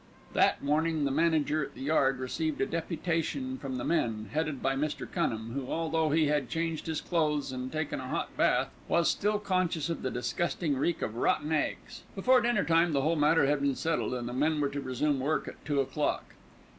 That morning the manager at the yard received a deputation from the men, headed by Mr. Cunham, who, although he had changed his clothes and taken a hot bath, was still conscious of the disgusting reek of rotten eggs. Before dinner time the whole matter had been settled, and the men were to resume work at two o'clock.